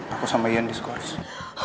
aku sama ian discourse